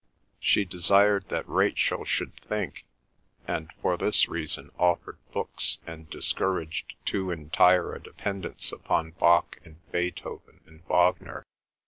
She desired that Rachel should think, and for this reason offered books and discouraged too entire a dependence upon Bach and Beethoven and Wagner.